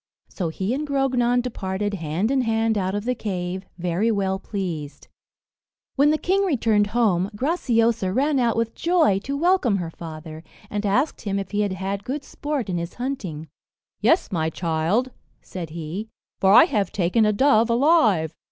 So he and Grognon departed hand in hand out of the cave, very well pleased. When the king returned home, Graciosa ran out with joy to welcome her father, and asked him if he had had good sport in his hunting. "Yes, my child," said he, "for I have taken a dove alive."